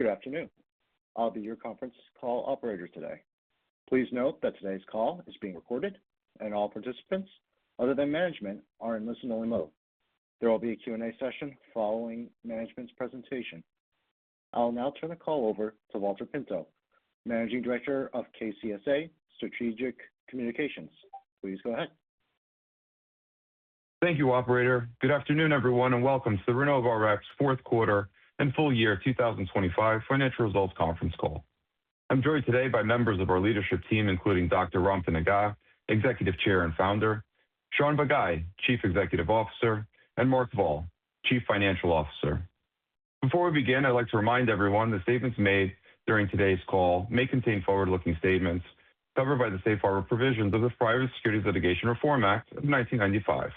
Good afternoon. I'll be your conference call operator today. Please note that today's call is being recorded and all participants, other than management, are in listen-only mode. There will be a Q&A session following management's presentation. I'll now turn the call over to Valter Pinto, Managing Director of KCSA Strategic Communications. Please go ahead. Thank you, operator. Good afternoon, everyone, and welcome to the RenovoRx fourth quarter and full year 2025 financial results conference call. I'm joined today by members of our leadership team, including Dr. Ramtin Agah, Executive Chairman and Founder, Shaun Bagai, Chief Executive Officer, and Mark Voll, Chief Financial Officer. Before we begin, I'd like to remind everyone that statements made during today's call may contain forward-looking statements covered by the safe harbor provisions of the Private Securities Litigation Reform Act of 1995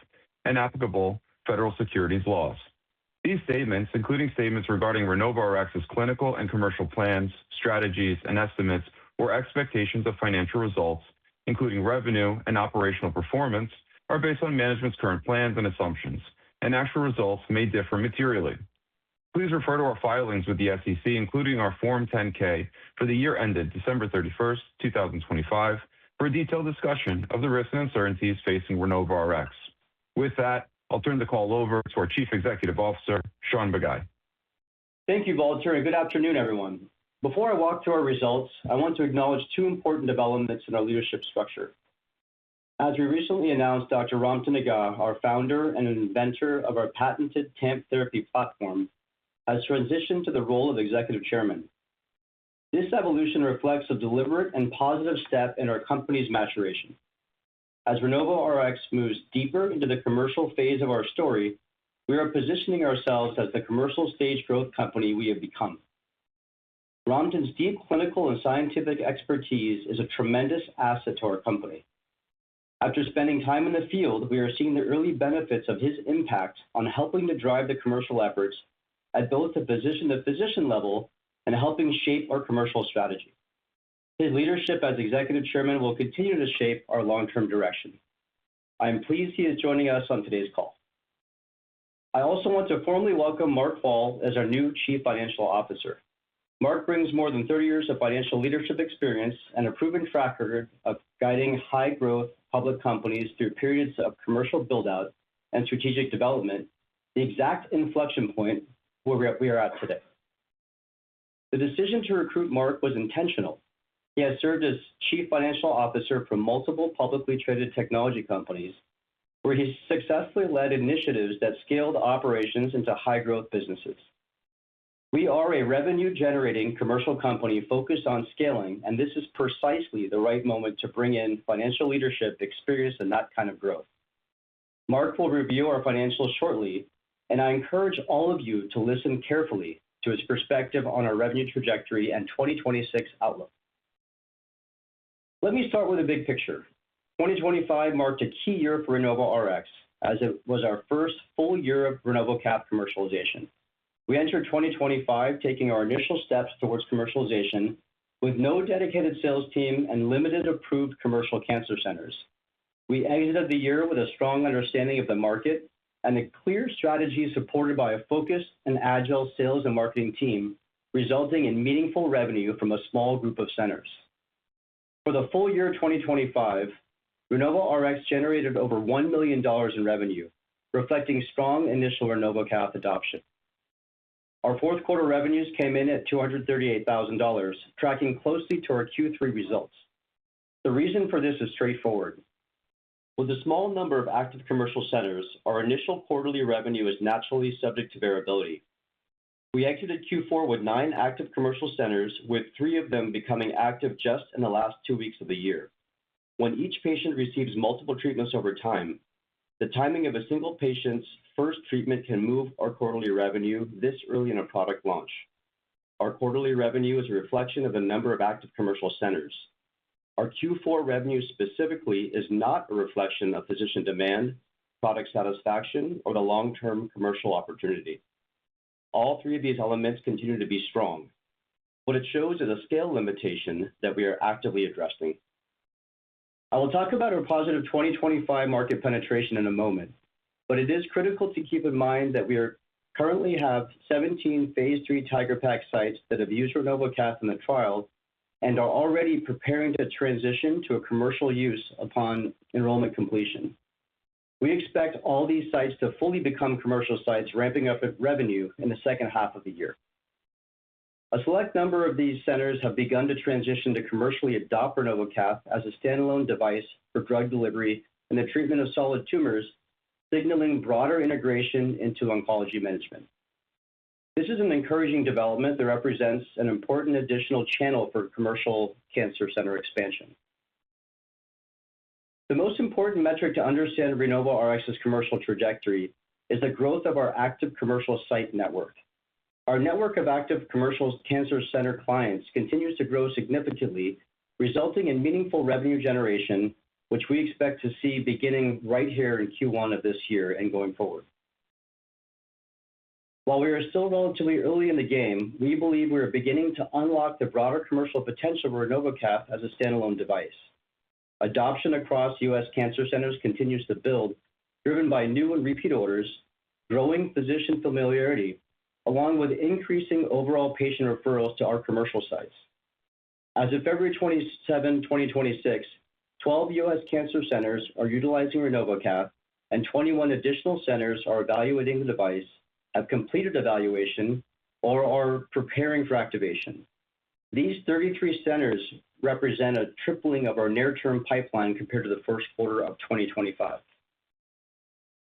and applicable federal securities laws. These statements, including statements regarding RenovoRx's clinical and commercial plans, strategies, and estimates or expectations of financial results, including revenue and operational performance, are based on management's current plans and assumptions, and actual results may differ materially. Please refer to our filings with the SEC, including our Form 10-K for the year ended December 31st, 2025 for a detailed discussion of the risks and uncertainties facing RenovoRx. With that, I'll turn the call over to our Chief Executive Officer, Shaun Bagai. Thank you, Valter, and good afternoon, everyone. Before I walk through our results, I want to acknowledge two important developments in our leadership structure. As we recently announced, Dr. Ramtin Agah, our founder and inventor of our patented TAMP therapy platform, has transitioned to the role of Executive Chairman. This evolution reflects a deliberate and positive step in our company's maturation. As RenovoRx moves deeper into the commercial phase of our story, we are positioning ourselves as the commercial stage growth company we have become. Ramtin's deep clinical and scientific expertise is a tremendous asset to our company. After spending time in the field, we are seeing the early benefits of his impact on helping to drive the commercial efforts at both the physician-to-physician level and helping shape our commercial strategy. His leadership as Executive Chairman will continue to shape our long-term direction. I am pleased he is joining us on today's call. I also want to formally welcome Mark Voll as our new Chief Financial Officer. Mark brings more than 30 years of financial leadership experience and a proven track record of guiding high-growth public companies through periods of commercial build-out and strategic development, the exact inflection point where we're at today. The decision to recruit Mark was intentional. He has served as Chief Financial Officer for multiple publicly traded technology companies, where he successfully led initiatives that scaled operations into high-growth businesses. We are a revenue-generating commercial company focused on scaling, and this is precisely the right moment to bring in financial leadership experience in that kind of growth. Mark will review our financials shortly, and I encourage all of you to listen carefully to his perspective on our revenue trajectory and 2026 outlook. Let me start with the big picture. 2025 marked a key year for RenovoRx, as it was our first full year of RenovoCath commercialization. We entered 2025 taking our initial steps towards commercialization with no dedicated sales team and limited approved commercial cancer centers. We exited the year with a strong understanding of the market and a clear strategy supported by a focused and agile sales and marketing team, resulting in meaningful revenue from a small group of centers. For the full year 2025, RenovoRx generated over $1 million in revenue, reflecting strong initial RenovoCath adoption. Our fourth quarter revenues came in at $238,000, tracking closely to our Q3 results. The reason for this is straightforward. With a small number of active commercial centers, our initial quarterly revenue is naturally subject to variability. We exited Q4 with nine active commercial centers, with three of them becoming active just in the last two weeks of the year. When each patient receives multiple treatments over time, the timing of a single patient's first treatment can move our quarterly revenue this early in a product launch. Our quarterly revenue is a reflection of the number of active commercial centers. Our Q4 revenue specifically is not a reflection of physician demand, product satisfaction, or the long-term commercial opportunity. All three of these elements continue to be strong. What it shows is a scale limitation that we are actively addressing. I will talk about our positive 2025 market penetration in a moment, but it is critical to keep in mind that we currently have 17 phase III TIGeR-PaC sites that have used RenovoCath in the trial and are already preparing to transition to a commercial use upon enrollment completion. We expect all these sites to fully become commercial sites ramping up in revenue in the second half of the year. A select number of these centers have begun to transition to commercially adopt RenovoCath as a standalone device for drug delivery in the treatment of solid tumors, signaling broader integration into oncology management. This is an encouraging development that represents an important additional channel for commercial cancer center expansion. The most important metric to understand RenovoRx's commercial trajectory is the growth of our active commercial site network. Our network of active commercial cancer center clients continues to grow significantly, resulting in meaningful revenue generation, which we expect to see beginning right here in Q1 of this year and going forward. While we are still relatively early in the game, we believe we are beginning to unlock the broader commercial potential for RenovoCath as a standalone device. Adoption across U.S. cancer centers continues to build, driven by new and repeat orders, growing physician familiarity, along with increasing overall patient referrals to our commercial sites. As of February 27, 2026, 12 U.S. cancer centers are utilizing RenovoCath, and 21 additional centers are evaluating the device, have completed evaluation, or are preparing for activation. These 33 centers represent a tripling of our near-term pipeline compared to the first quarter of 2025.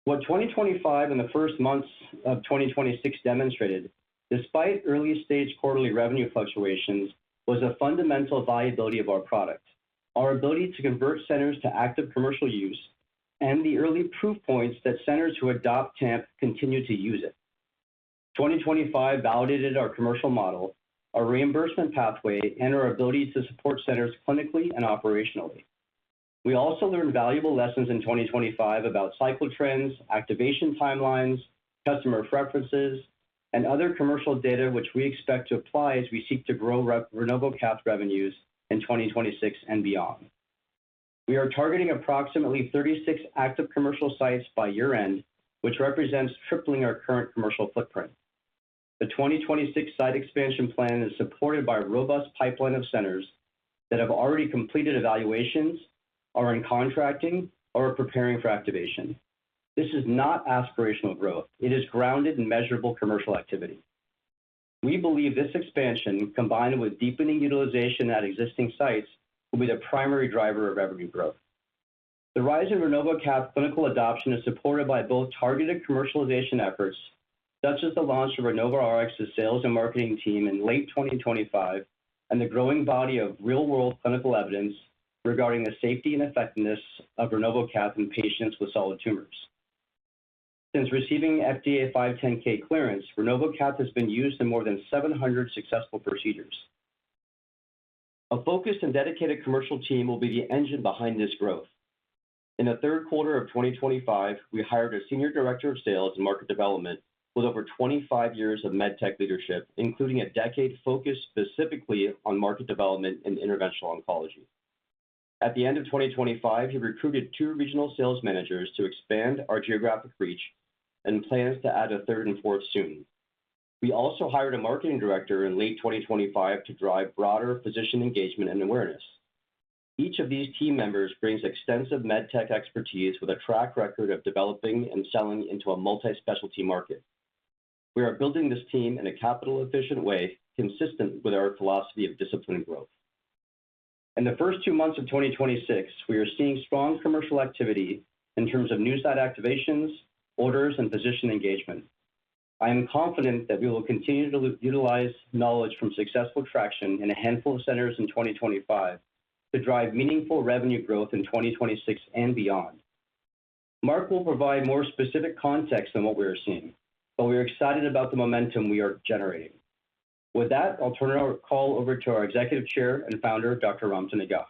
What 2025 and the first months of 2026 demonstrated, despite early-stage quarterly revenue fluctuations, was the fundamental viability of our product, our ability to convert centers to active commercial use, and the early proof points that centers who adopt TAMP continue to use it. 2025 validated our commercial model, our reimbursement pathway, and our ability to support centers clinically and operationally. We also learned valuable lessons in 2025 about cycle trends, activation timelines, customer preferences, and other commercial data which we expect to apply as we seek to grow RenovoCath revenues in 2026 and beyond. We are targeting approximately 36 active commercial sites by year-end, which represents tripling our current commercial footprint. The 2026 site expansion plan is supported by a robust pipeline of centers that have already completed evaluations, are in contracting, or are preparing for activation. This is not aspirational growth. It is grounded in measurable commercial activity. We believe this expansion, combined with deepening utilization at existing sites, will be the primary driver of revenue growth. The rise in RenovoCath clinical adoption is supported by both targeted commercialization efforts, such as the launch of RenovoRx's sales and marketing team in late 2025, and the growing body of real-world clinical evidence regarding the safety and effectiveness of RenovoCath in patients with solid tumors. Since receiving FDA 510(k) clearance, RenovoCath has been used in more than 700 successful procedures. A focused and dedicated commercial team will be the engine behind this growth. In the third quarter of 2025, we hired a Senior Director of Sales and Market Development with over 25 years of med tech leadership, including a decade focused specifically on market development in interventional oncology. At the end of 2025, he recruited two regional sales managers to expand our geographic reach and plans to add a third and fourth soon. We also hired a Marketing Director in late 2025 to drive broader physician engagement and awareness. Each of these team members brings extensive med tech expertise with a track record of developing and selling into a multi-specialty market. We are building this team in a capital-efficient way consistent with our philosophy of disciplined growth. In the first two months of 2026, we are seeing strong commercial activity in terms of new site activations, orders, and physician engagement. I am confident that we will continue to utilize knowledge from successful traction in a handful of centers in 2025 to drive meaningful revenue growth in 2026 and beyond. Mark will provide more specific context on what we are seeing, but we are excited about the momentum we are generating. With that, I'll turn our call over to our Executive Chairman and Founder, Dr. Ramtin Agah.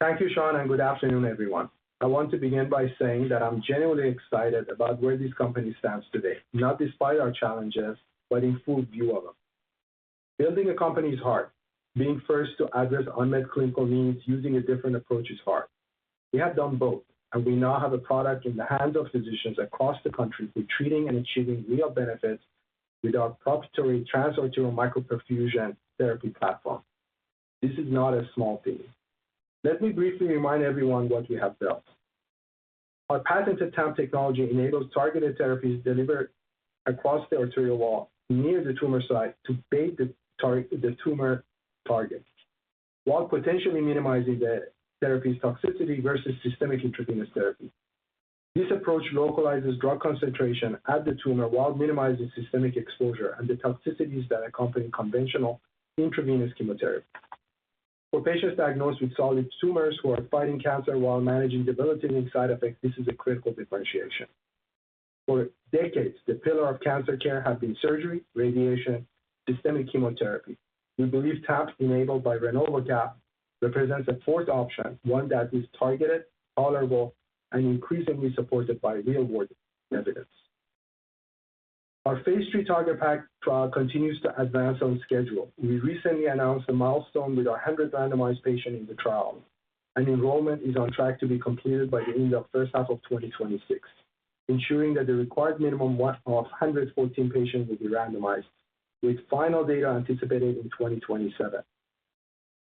Thank you, Shaun, and good afternoon, everyone. I want to begin by saying that I'm genuinely excited about where this company stands today, not despite our challenges, but in full view of them. Building a company is hard. Being first to address unmet clinical needs using a different approach is hard. We have done both, and we now have a product in the hands of physicians across the country for treating and achieving real benefits with our proprietary Trans-Arterial Micro-Perfusion therapy platform. This is not a small thing. Let me briefly remind everyone what we have built. Our patented TAMP technology enables targeted therapies delivered across the arterial wall near the tumor site to target the tumor while potentially minimizing the therapy's toxicity versus systemic intravenous therapy. This approach localizes drug concentration at the tumor while minimizing systemic exposure and the toxicities that accompany conventional intravenous chemotherapy. For patients diagnosed with solid tumors who are fighting cancer while managing debilitating side effects, this is a critical differentiation. For decades, the pillar of cancer care has been surgery, radiation, systemic chemotherapy. We believe TAMPs enabled by RenovoCath represents a fourth option, one that is targeted, tolerable, and increasingly supported by real-world evidence. Our phase III TIGeR-PaC trial continues to advance on schedule. We recently announced a milestone with our 100th randomized patient in the trial, and enrollment is on track to be completed by the end of first half of 2026, ensuring that the required minimum of 114 patients will be randomized, with final data anticipated in 2027.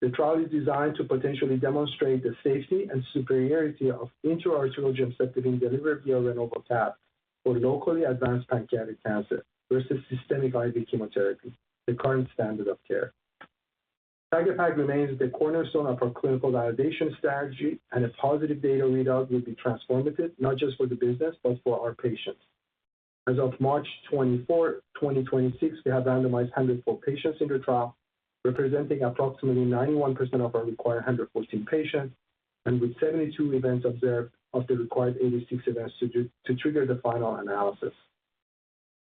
The trial is designed to potentially demonstrate the safety and superiority of intra-arterial gemcitabine delivered via RenovoCath for locally advanced pancreatic cancer versus systemic IV chemotherapy, the current standard of care. TIGeR-PaC remains the cornerstone of our clinical validation strategy, and a positive data readout will be transformative, not just for the business, but for our patients. As of March 24, 2026, we have randomized 104 patients in the trial, representing approximately 91% of our required 114 patients, and with 72 events observed of the required 86 events to trigger the final analysis.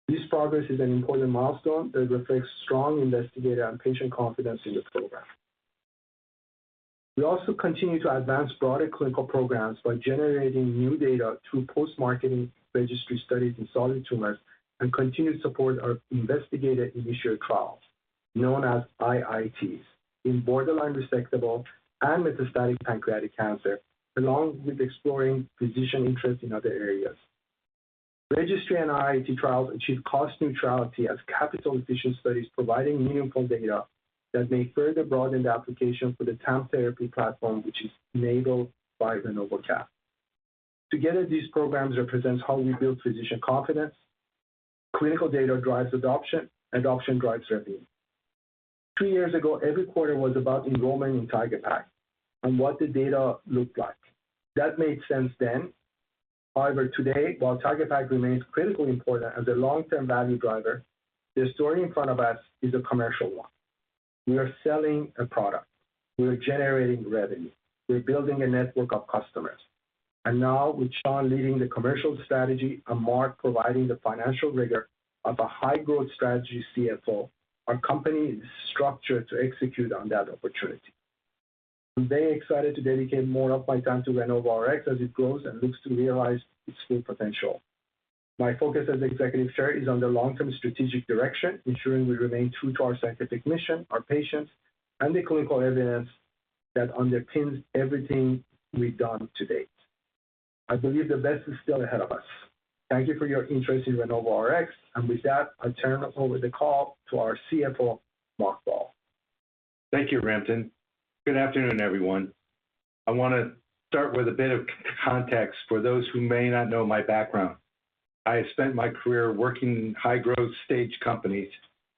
This progress is an important milestone that reflects strong investigator and patient confidence in this program. We also continue to advance broader clinical programs by generating new data through post-marketing registry studies in solid tumors and continued support of investigator-initiated trials, known as IITs, in borderline resectable and metastatic pancreatic cancer, along with exploring physician interest in other areas. Registry and IIT trials achieve cost neutrality as capital efficient studies providing meaningful data that may further broaden the application for the TAMP therapy platform, which is enabled by RenovoCath. Together, these programs represents how we build physician confidence. Clinical data drives adoption, and adoption drives revenue. Two years ago, every quarter was about enrollment in TIGeR-PaC and what the data looked like. That made sense then. However, today, while TIGeR-PaC remains critically important as a long-term value driver, the story in front of us is a commercial one. We are selling a product. We are generating revenue. We're building a network of customers. Now with Shaun leading the commercial strategy and Mark providing the financial rigor of a high-growth strategy CFO, our company is structured to execute on that opportunity. I'm very excited to dedicate more of my time to RenovoRx as it grows and looks to realize its full potential. My focus as Executive Chair is on the long-term strategic direction, ensuring we remain true to our scientific mission, our patients, and the clinical evidence that underpins everything we've done to date. I believe the best is still ahead of us. Thank you for your interest in RenovoRx, and with that, I turn over the call to our CFO, Mark Voll. Thank you, Ramtin. Good afternoon, everyone. I want to start with a bit of context for those who may not know my background. I have spent my career working in high-growth stage companies,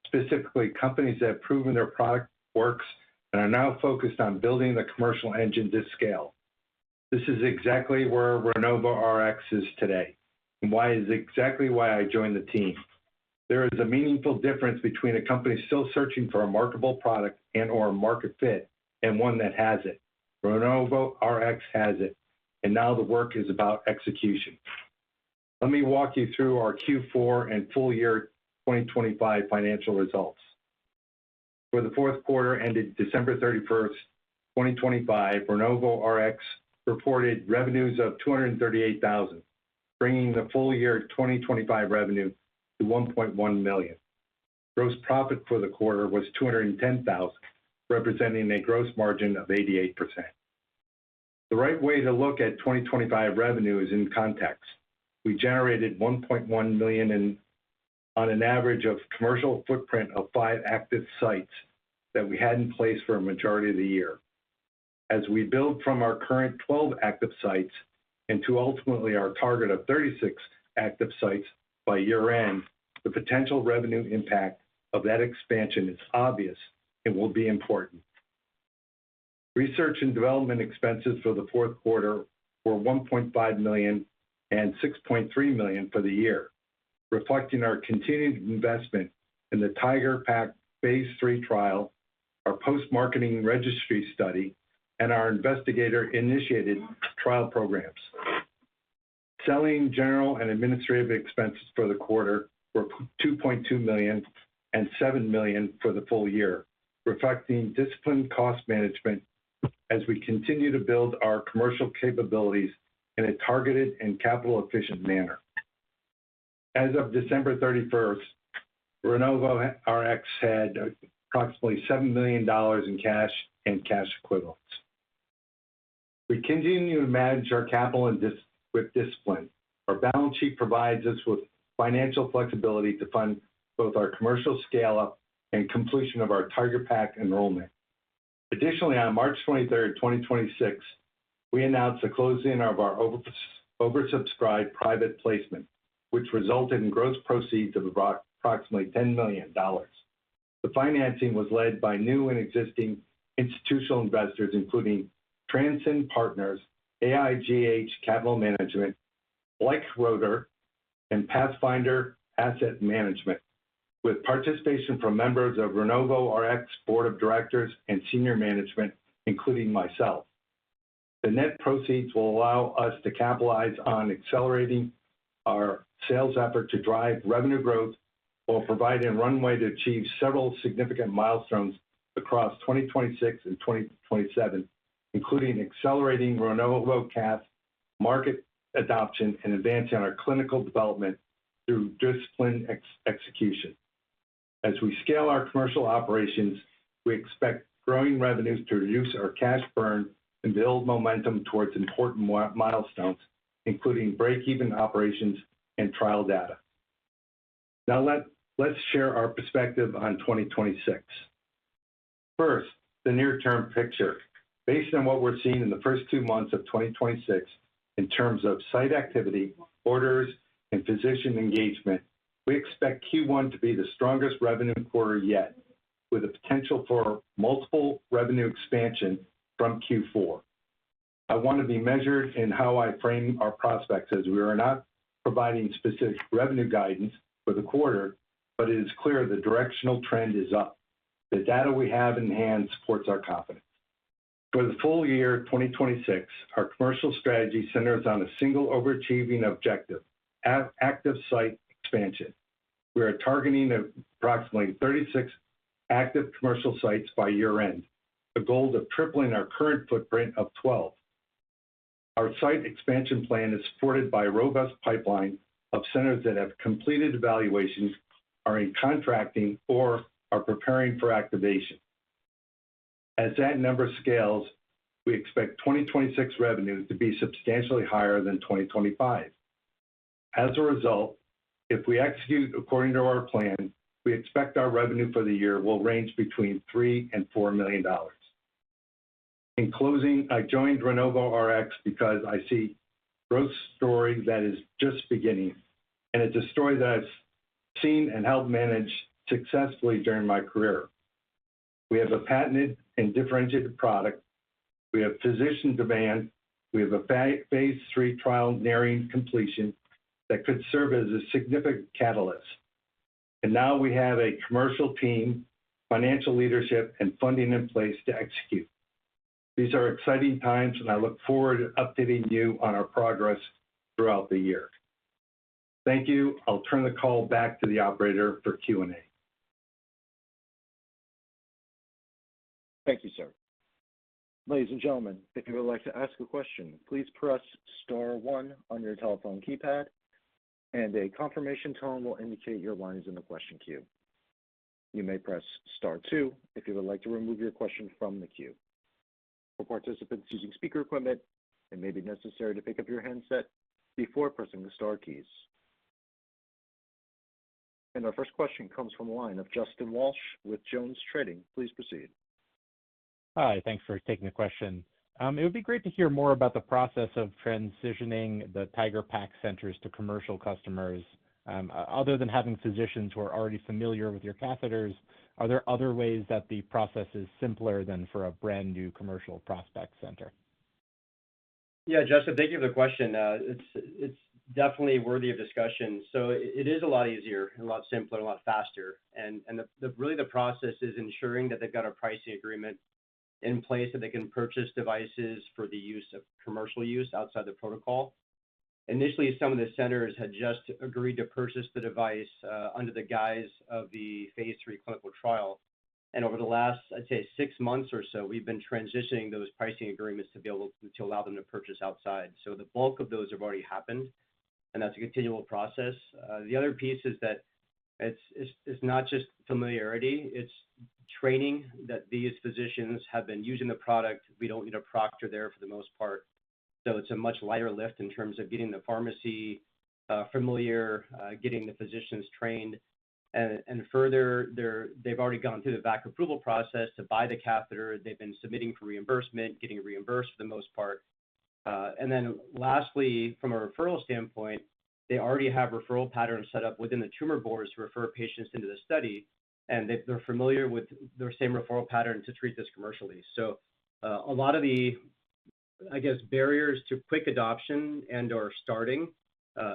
specifically companies that have proven their product works and are now focused on building the commercial engine to scale. This is exactly where RenovoRx is today, and that's exactly why I joined the team. There is a meaningful difference between a company still searching for a marketable product and/or a market fit and one that has it. RenovoRx has it, and now the work is about execution. Let me walk you through our Q4 and full year 2025 financial results. For the fourth quarter ended December 31st, 2025, RenovoRx reported revenues of $238,000, bringing the full year 2025 revenue to $1.1 million. Gross profit for the quarter was $210,000, representing a gross margin of 88%. The right way to look at 2025 revenue is in context. We generated $1.1 million in, on an average of commercial footprint of five active sites that we had in place for a majority of the year. As we build from our current 12 active sites into ultimately our target of 36 active sites by year-end, the potential revenue impact of that expansion is obvious and will be important. Research and development expenses for the fourth quarter were $1.5 million and $6.3 million for the year, reflecting our continued investment in the TIGeR-PaC phase III trial, our post-marketing registry study, and our investigator-initiated trial programs. Selling, general, and administrative expenses for the quarter were $2.2 million and $7 million for the full year, reflecting disciplined cost management as we continue to build our commercial capabilities in a targeted and capital-efficient manner. As of December 31st, RenovoRx had approximately $7 million in cash and cash equivalents. We continue to manage our capital with discipline. Our balance sheet provides us with financial flexibility to fund both our commercial scale-up and completion of our TIGeR-PaC enrollment. Additionally, on March 23rd, 2026, we announced the closing of our oversubscribed private placement, which resulted in gross proceeds of approximately $10 million. The financing was led by new and existing institutional investors, including Transcend Partners, AIGH Capital Management, Bleichroeder, and Pathfinder Asset Management, with participation from members of RenovoRx's board of directors and senior management, including myself. The net proceeds will allow us to capitalize on accelerating our sales effort to drive revenue growth while providing runway to achieve several significant milestones across 2026 and 2027, including accelerating RenovoCath market adoption and advancing our clinical development through disciplined execution. As we scale our commercial operations, we expect growing revenues to reduce our cash burn and build momentum towards important milestones, including breakeven operations and trial data. Let's share our perspective on 2026. First, the near-term picture. Based on what we're seeing in the first two months of 2026 in terms of site activity, orders, and physician engagement, we expect Q1 to be the strongest revenue quarter yet, with the potential for multiple revenue expansion from Q4. I want to be measured in how I frame our prospects, as we are not providing specific revenue guidance for the quarter, but it is clear the directional trend is up. The data we have in hand supports our confidence. For the full year 2026, our commercial strategy centers on a single overachieving objective, active site expansion. We are targeting approximately 36 active commercial sites by year-end, the goal of tripling our current footprint of 12. Our site expansion plan is supported by a robust pipeline of centers that have completed evaluations, are in contracting, or are preparing for activation. As that number scales, we expect 2026 revenues to be substantially higher than 2025. As a result, if we execute according to our plan, we expect our revenue for the year will range between $3 million and $4 million. In closing, I joined RenovoRx because I see growth story that is just beginning, and it's a story that I've seen and helped manage successfully during my career. We have a patented and differentiated product. We have physician demand. We have a phase III trial nearing completion that could serve as a significant catalyst. Now we have a commercial team, financial leadership, and funding in place to execute. These are exciting times, and I look forward to updating you on our progress throughout the year. Thank you. I'll turn the call back to the operator for Q&A. Thank you, sir. Ladies and gentlemen, if you would like to ask a question, please press star one on your telephone keypad, and a confirmation tone will indicate your line is in the question queue. You may press star two if you would like to remove your question from the queue. For participants using speaker equipment, it may be necessary to pick up your handset before pressing the star keys. Our first question comes from the line of Justin Walsh with JonesTrading. Please proceed. Hi. Thanks for taking the question. It would be great to hear more about the process of transitioning the TIGeR-PaC centers to commercial customers. Other than having physicians who are already familiar with your catheters, are there other ways that the process is simpler than for a brand-new commercial prospect center? Yeah, Justin, thank you for the question. It's definitely worthy of discussion. It is a lot easier and a lot simpler and a lot faster. The process is ensuring that they've got a pricing agreement in place, that they can purchase devices for commercial use outside the protocol. Initially, some of the centers had just agreed to purchase the device under the guise of the phase III clinical trial. Over the last, I'd say six months or so, we've been transitioning those pricing agreements to be able to allow them to purchase outside. The bulk of those have already happened, and that's a continual process. The other piece is that it's not just familiarity, it's training that these physicians have been using the product. We don't need a proctor there for the most part. It's a much lighter lift in terms of getting the pharmacy familiar, getting the physicians trained. Further, they've already gone through the VAC approval process to buy the catheter. They've been submitting for reimbursement, getting reimbursed for the most part. Then lastly, from a referral standpoint, they already have referral patterns set up within the tumor boards to refer patients into the study, and they're familiar with their same referral pattern to treat this commercially. A lot of the, I guess, barriers to quick adoption and/or starting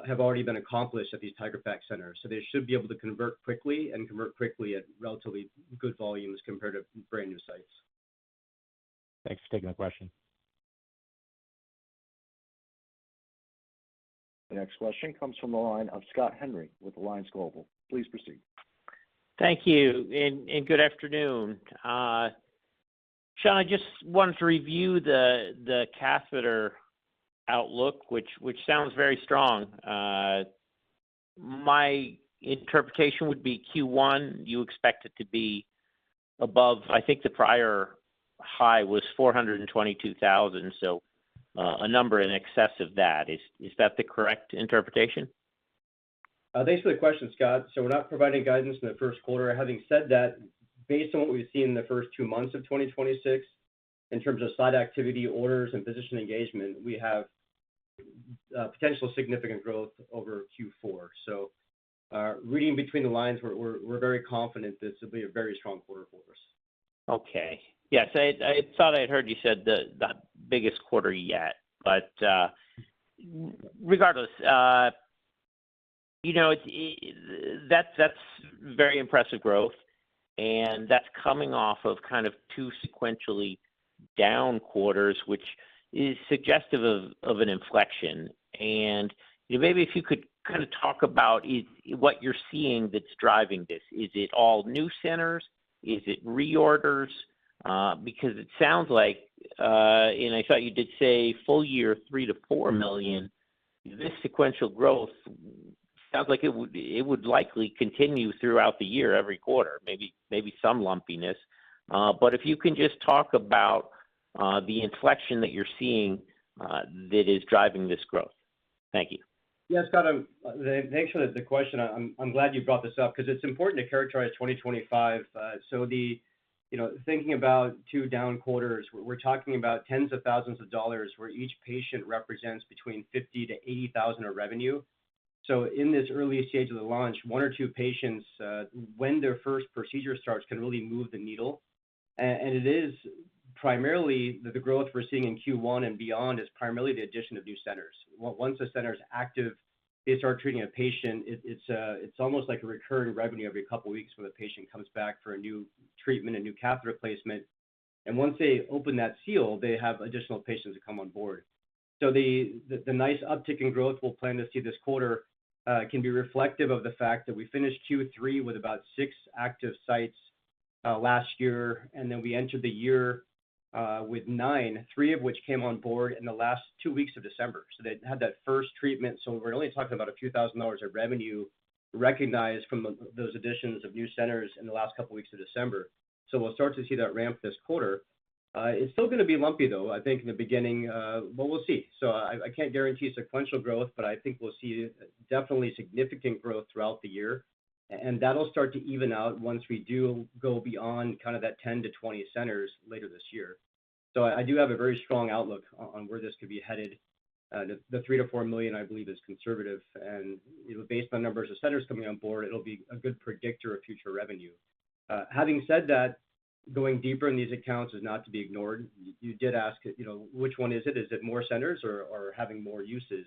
have already been accomplished at these TIGeR-PaC centers. They should be able to convert quickly and convert quickly at relatively good volumes compared to brand-new sites. Thanks for taking the question. The next question comes from the line of Scott Henry with Alliance Global Partners. Please proceed. Thank you and good afternoon. Shaun, I just wanted to review the catheter outlook, which sounds very strong. My interpretation would be Q1, you expect it to be above, i think the prior high was $422,000, so a number in excess of that. Is that the correct interpretation? Thanks for the question, Scott. We're not providing guidance in the first quarter. Having said that, based on what we've seen in the first two months of 2026 in terms of site activity, orders, and physician engagement, we have potential significant growth over Q4. Reading between the lines, we're very confident this will be a very strong quarter for us. Okay. Yes, I thought I'd heard you said the biggest quarter yet. Regardless, you know, that's very impressive growth, and that's coming off of kind of two sequentially down quarters, which is suggestive of an inflection. You know, maybe if you could kind of talk about what you're seeing that's driving this. Is it all new centers? Is it reorders? Because it sounds like, and I thought you did say full year $3 million-$4 million. This sequential growth sounds like it would likely continue throughout the year, every quarter, maybe some lumpiness. If you can just talk about the inflection that you're seeing that is driving this growth. Thank you. Yeah, Scott, thanks for the question. I'm glad you brought this up because it's important to characterize 2025. You know, thinking about two down quarters, we're talking about tens of thousands of dollars, where each patient represents between $50,000-$80,000 of revenue. In this early stage of the launch, one or two patients, when their first procedure starts, can really move the needle. And the growth we're seeing in Q1 and beyond is primarily the addition of new centers. Once the center's active, they start treating a patient, it's almost like a recurring revenue every couple of weeks when the patient comes back for a new treatment, a new catheter placement. Once they open that seal, they have additional patients that come on board. The nice uptick in growth we'll plan to see this quarter can be reflective of the fact that we finished Q3 with about six active sites last year, and then we entered the year with nine, three of which came on board in the last two weeks of December. They had that first treatment, so we're only talking about a few thousand dollars of revenue recognized from those additions of new centers in the last couple weeks of December. We'll start to see that ramp this quarter. It's still gonna be lumpy, though, I think in the beginning, but we'll see. I can't guarantee sequential growth, but I think we'll see definitely significant growth throughout the year, and that'll start to even out once we do go beyond kind of that 10 centers-20 centers later this year. I do have a very strong outlook on where this could be headed. The $3 million-$4 million I believe is conservative, you know, based on numbers of centers coming on board it'll be a good predictor of future revenue. Having said that, going deeper in these accounts is not to be ignored. You did ask, you know, which one is it? Is it more centers or having more uses?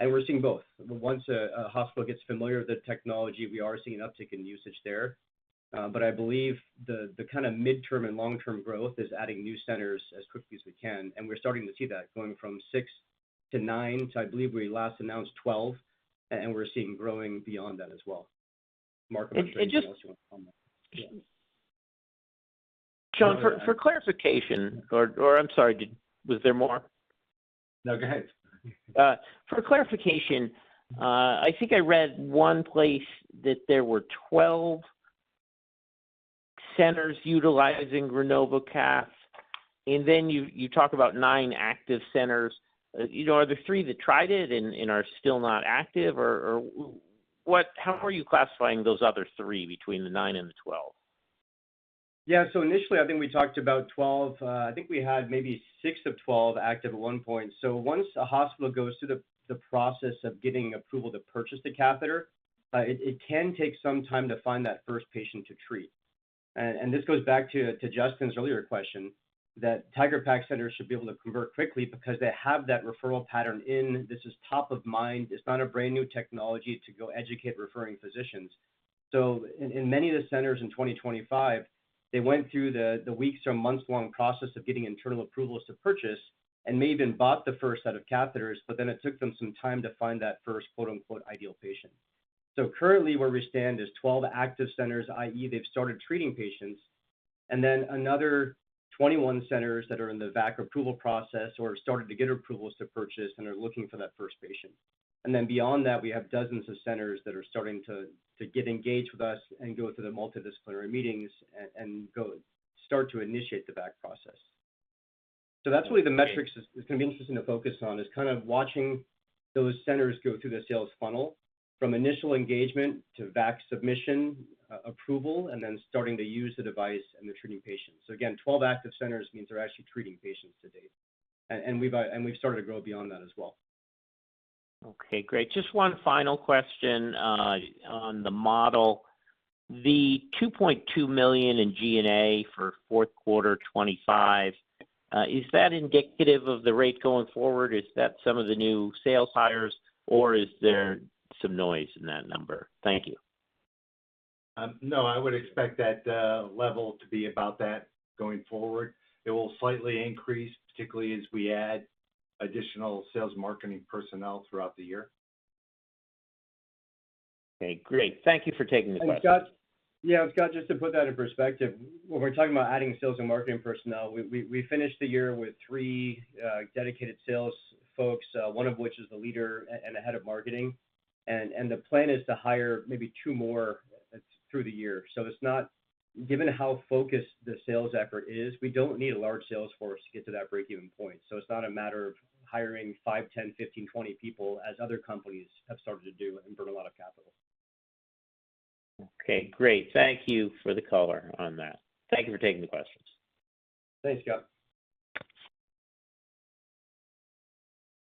We're seeing both. Once a hospital gets familiar with the technology, we are seeing an uptick in usage there. I believe the kind of midterm and long-term growth is adding new centers as quickly as we can, and we're starting to see that going from six to nine to I believe we last announced 12, and we're seeing growing beyond that as well. Mark might want to- It just- Make a comment. Yeah. Shaun, for clarification. I'm sorry, was there more? No, go ahead. For clarification, I think I read one place that there were 12 centers utilizing RenovoCath, and then you talk about nine active centers. You know, are the three that tried it and are still not active, or what. How are you classifying those other three between the nine and the 12? Yeah. Initially I think we talked about 12. I think we had maybe six of 12 active at one point. Once a hospital goes through the process of getting approval to purchase the catheter, it can take some time to find that first patient to treat. This goes back to Justin's earlier question that TIGeR-PaC centers should be able to convert quickly because they have that referral pattern in. This is top of mind. It's not a brand-new technology to go educate referring physicians. In many of the centers in 2025, they went through the weeks- or months-long process of getting internal approvals to purchase, and may even bought the first set of catheters, but then it took them some time to find that first quote unquote ideal patient. Currently where we stand is 12 active centers, i.e., they've started treating patients, and then another 21 centers that are in the VAC approval process or have started to get approvals to purchase and are looking for that first patient. Then beyond that, we have dozens of centers that are starting to get engaged with us and go through the multidisciplinary meetings and go start to initiate the VAC process. That's really the metrics. It's gonna be interesting to focus on is kind of watching those centers go through the sales funnel from initial engagement to VAC submission, approval, and then starting to use the device and they're treating patients. Again, 12 active centers means they're actually treating patients to date. We've started to grow beyond that as well. Okay. Great. Just one final question on the model. The $2.2 million in G&A for fourth quarter 2025 is that indicative of the rate going forward? Is that some of the new sales hires, or is there some noise in that number? Thank you. No, I would expect that level to be about that going forward. It will slightly increase, particularly as we add additional sales marketing personnel throughout the year. Okay. Great. Thank you for taking the question. Scott? Yeah, Scott, just to put that in perspective, when we're talking about adding sales and marketing personnel, we finished the year with three dedicated sales folks, one of which is the leader and the head of marketing. The plan is to hire maybe two more through the year. It's not given how focused the sales effort is, we don't need a large sales force to get to that break-even point. It's not a matter of hiring five, 10, 15, 20 people as other companies have started to do and burn a lot of capital. Okay. Great. Thank you for the color on that. Thank you for taking the questions. Thanks, Scott.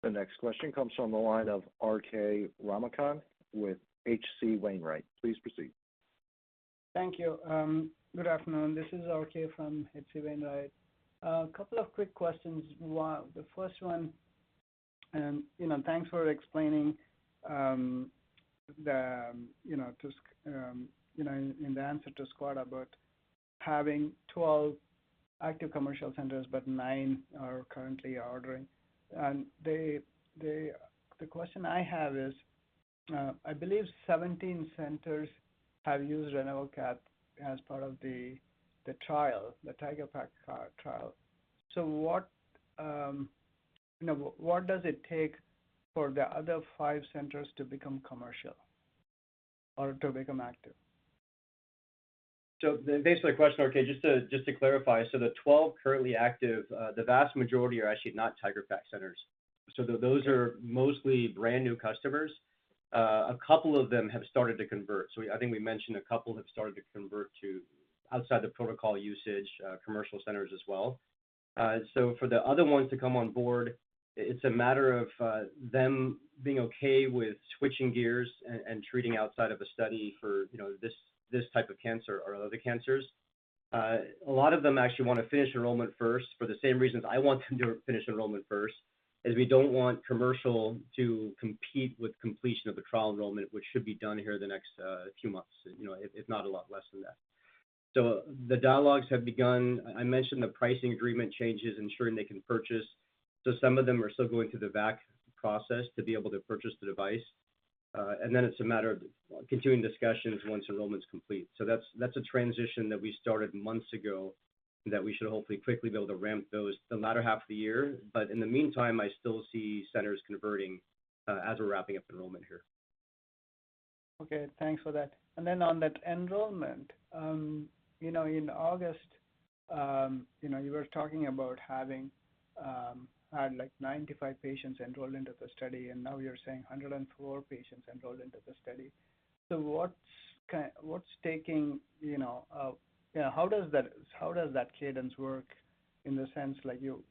The next question comes from the line of RK Ramakanth with H.C. Wainwright. Please proceed. Thank you. Good afternoon. This is RK from H.C. Wainwright. Couple of quick questions. One, the first one, you know, thanks for explaining, you know, in the answer to Scott about having 12 active commercial centers, but nine are currently ordering. They. The question I have is, I believe 17 centers have used RenovoCath as part of the trial, the TIGeR-PaC trial. So what, you know, what does it take for the other five centers to become commercial or to become active? To answer your question, RK, just to clarify, the 12 currently active, the vast majority are actually not TIGeR-PaC centers. Those are mostly brand-new customers. A couple of them have started to convert. I think we mentioned a couple have started to convert to outside the protocol usage, commercial centers as well. For the other ones to come on board, it's a matter of them being okay with switching gears and treating outside of a study for, you know, this type of cancer or other cancers. A lot of them actually want to finish enrollment first for the same reasons I want them to finish enrollment first, is we don't want commercial to compete with completion of the trial enrollment, which should be done here in the next few months, you know, if not a lot less than that. The dialogues have begun. I mentioned the pricing agreement changes ensuring they can purchase. Some of them are still going through the VAC process to be able to purchase the device. And then it's a matter of continuing discussions once enrollment's complete. That's a transition that we started months ago that we should hopefully quickly be able to ramp those the latter half of the year. In the meantime, I still see centers converting as we're wrapping up enrollment here. Okay, thanks for that. On that enrollment in August, you were talking about having 95 patients enrolled into the study, and now you're saying 104 patients enrolled into the study. What's taking, how does that cadence work in the sense like you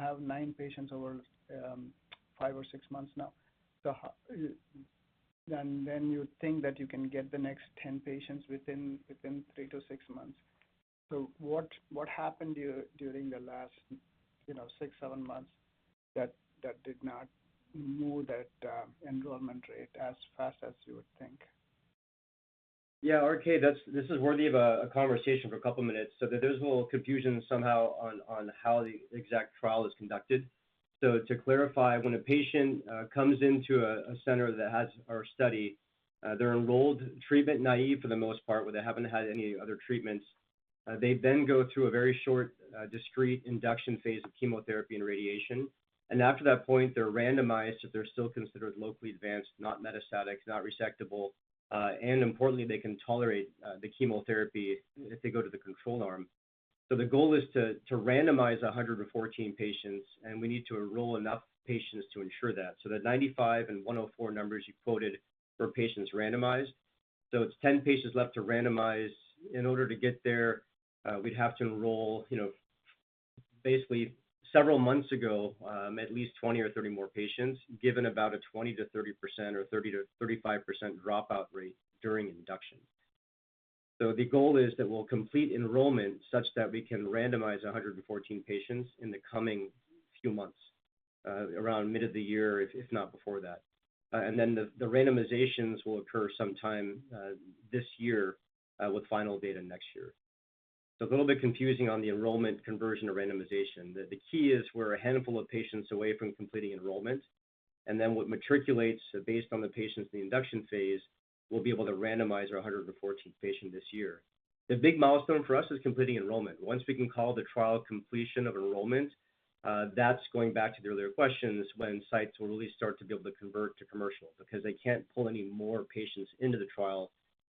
have nine patients over five or six months now. You think that you can get the next 10 patients within three to six months. What happened during the last six, seven months that did not move that enrollment rate as fast as you would think? Yeah, RK, this is worthy of a conversation for a couple minutes. There's a little confusion somehow on how the exact trial is conducted. To clarify, when a patient comes into a center that has our study, they're enrolled treatment naive for the most part, where they haven't had any other treatments. They then go through a very short discrete induction phase of chemotherapy and radiation. After that point, they're randomized if they're still considered locally advanced, not metastatic, not resectable, and importantly, they can tolerate the chemotherapy if they go to the control arm. The goal is to randomize 114 patients, and we need to enroll enough patients to ensure that. The 95 and 104 numbers you quoted were patients randomized, so it's 10 patients left to randomize. In order to get there, we'd have to enroll, you know, basically several months ago, at least 20 or 30 more patients, given about a 20%-30% or 30%-35% dropout rate during induction. The goal is that we'll complete enrollment such that we can randomize 114 patients in the coming few months, around mid of the year, if not before that. Then the randomizations will occur sometime this year, with final data next year. A little bit confusing on the enrollment conversion to randomization. The key is we're a handful of patients away from completing enrollment, and then what materializes based on the patients in the induction phase, we'll be able to randomize our 114th patient this year. The big milestone for us is completing enrollment. Once we can call the trial completion of enrollment, that's going back to the earlier questions when sites will really start to be able to convert to commercial, because they can't pull any more patients into the trial, and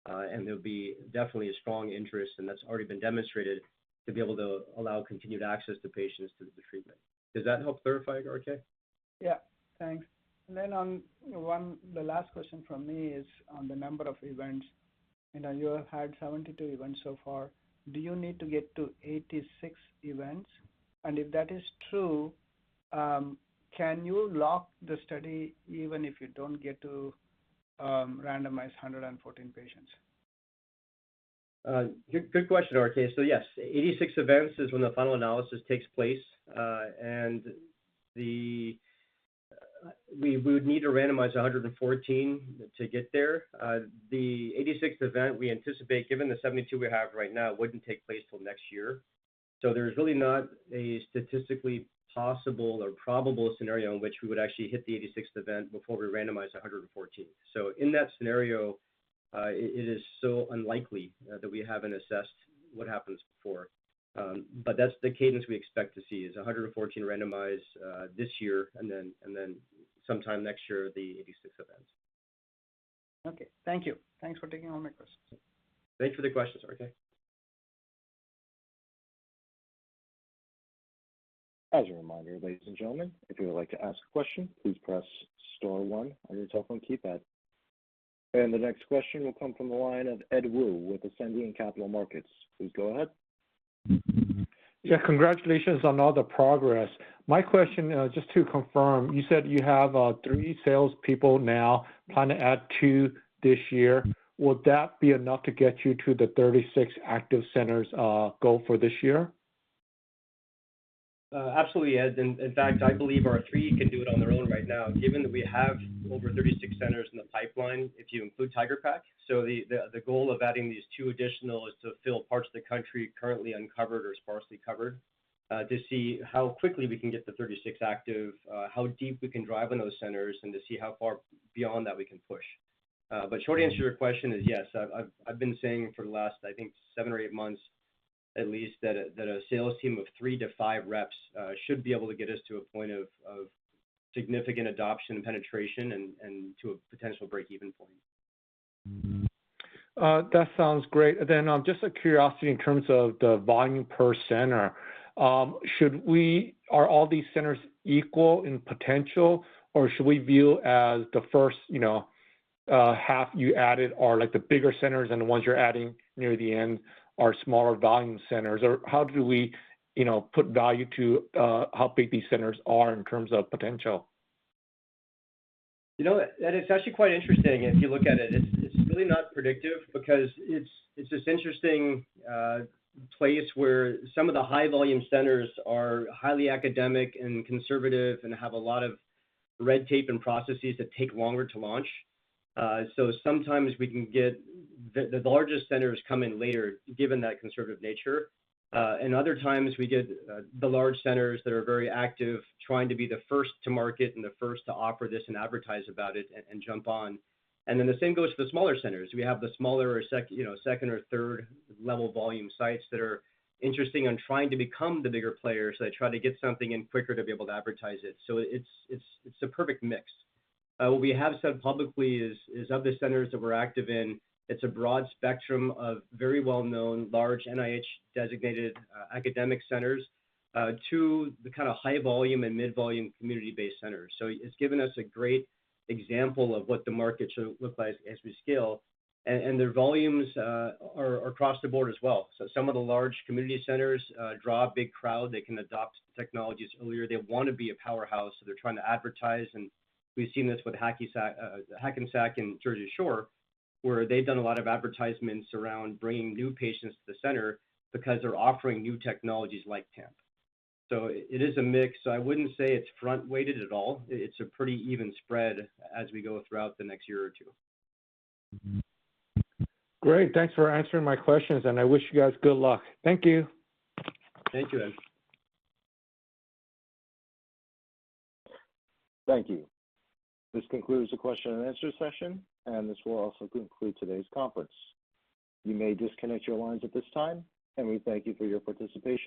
there'll be definitely a strong interest, and that's already been demonstrated, to be able to allow continued access to patients to the treatment. Does that help clarify, RK? Yeah. Thanks. One last question from me is on the number of events. You know, you have had 72 events so far. Do you need to get to 86 events? If that is true, can you lock the study even if you don't get to randomize 114 patients? Good question, RK. Yes, 86 events is when the final analysis takes place, and we would need to randomize 114 to get there. The 86th event, we anticipate, given the 72 we have right now, wouldn't take place till next year. There's really not a statistically possible or probable scenario in which we would actually hit the 86th event before we randomize 114. In that scenario, it is so unlikely that we haven't assessed what happens before. That's the cadence we expect to see is 114 randomized this year and then sometime next year, the 86 events. Okay. Thank you. Thanks for taking all my questions. Thanks for the questions, RK. As a reminder, ladies and gentlemen, if you would like to ask a question, please press star one on your telephone keypad. The next question will come from the line of Edward Woo with Ascendiant Capital Markets. Please go ahead. Congratulations on all the progress. My question, just to confirm, you said you have three salespeople now, plan to add two this year. Would that be enough to get you to the 36 active centers goal for this year? Absolutely, Ed. In fact, I believe our three can do it on their own right now, given that we have over 36 centers in the pipeline, if you include TIGeR-PaC. The goal of adding these two additional is to fill parts of the country currently uncovered or sparsely covered, to see how quickly we can get to 36 active, how deep we can drive in those centers, and to see how far beyond that we can push. Short answer to your question is yes. I've been saying for the last, I think seven or eight months at least that a sales team of three to five reps should be able to get us to a point of significant adoption penetration and to a potential break-even point. That sounds great. Just a curiosity in terms of the volume per center, are all these centers equal in potential, or should we view as the first, you know, half you added are like the bigger centers and the ones you're adding near the end are smaller volume centers? Or how do we, you know, put value to, how big these centers are in terms of potential? You know, Ed, it's actually quite interesting if you look at it. It's really not predictive because it's this interesting place where some of the high-volume centers are highly academic and conservative and have a lot of red tape and processes that take longer to launch. Sometimes we can get the largest centers come in later, given that conservative nature. Other times we get the large centers that are very active trying to be the first to market and the first to offer this and advertise about it and jump on. The same goes for the smaller centers. We have the smaller, you know, second or third level volume sites that are interesting and trying to become the bigger players. They try to get something in quicker to be able to advertise it. It's the perfect mix. What we have said publicly is of the centers that we're active in, it's a broad spectrum of very well-known large NIH-designated academic centers to the kinda high-volume and mid-volume community-based centers. It's given us a great example of what the market should look like as we scale. Their volumes are across the board as well. Some of the large community centers draw a big crowd. They can adopt technologies earlier. They wanna be a powerhouse, so they're trying to advertise, and we've seen this with Hackensack and Jersey Shore, where they've done a lot of advertisements around bringing new patients to the center because they're offering new technologies like TAMP. It is a mix. I wouldn't say it's front-weighted at all. It's a pretty even spread as we go throughout the next year or two. Great. Thanks for answering my questions, and I wish you guys good luck. Thank you. Thank you, Ed. Thank you. This concludes the question and answer session, and this will also conclude today's conference. You may disconnect your lines at this time, and we thank you for your participation.